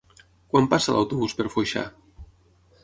Quan passa l'autobús per Foixà?